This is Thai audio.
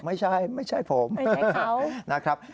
ไม่ใช่ไม่ใช่ผมไม่ใช่เขานะครับ